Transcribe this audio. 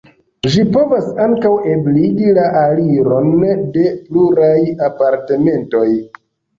Ĝi povas ankaŭ ebligi la aliron de pluraj apartamentoj.